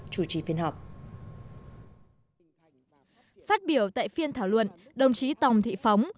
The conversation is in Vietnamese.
phát biểu tại phiên thảo luận đồng chí tòng thị phóng